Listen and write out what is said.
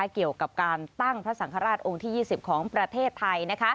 เกี่ยวกับการตั้งพระสังฆราชองค์ที่๒๐ของประเทศไทย